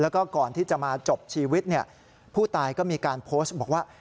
แล้วก็ก่อนที่จะมาจบชีวิตผู้ตายก็มีการโพสต์บอกว่า